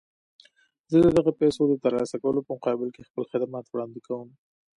زه د دغو پيسو د ترلاسه کولو په مقابل کې خپل خدمات وړاندې کوم.